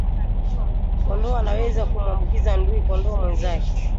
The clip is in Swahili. Kondoo anaweza kumuambukiza ndui kondoo mwenzake